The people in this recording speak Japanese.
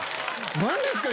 何ですか？